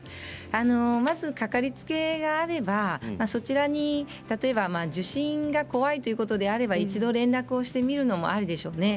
まずかかりつけがあればそちらに受診が怖いということであれば一度、連絡してみるのもありでしょうね。